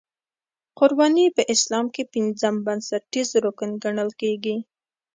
قرباني په اسلام کې پنځم بنسټیز رکن ګڼل کېږي.